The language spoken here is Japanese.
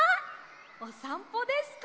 おさんぽですか？